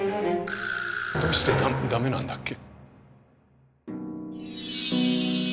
どうしてだめなんだっけ？